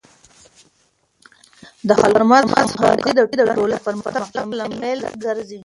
د خلکو ترمنځ همکاري د ټولنې د پرمختګ لامل ګرځي.